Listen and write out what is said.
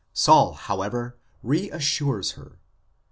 Saul, however, reassures her.